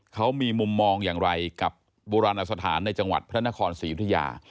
เขามีมุมมองอย่างไรกับโบราณสถานในจังหวัดพระนครศรียุธยา